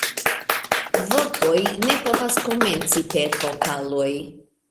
Vortoj ne povas komenci per vokaloj.